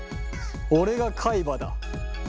俺が海馬だ。